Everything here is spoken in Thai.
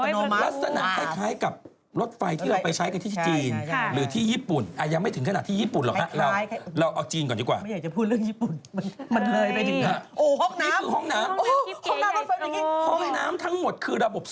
ลักษณะคล้ายกับรถไฟที่เราไปใช้กันที่จีนหรือที่ญี่ปุ่นยังไม่ถึงขนาดที่ญี่ปุ่นหรอกครับ